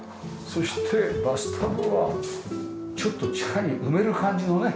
そしてバスタブはちょっと地下に埋める感じのね。